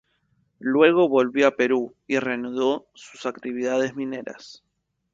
Luego volvió a Perú y reanudó sus actividades mineras.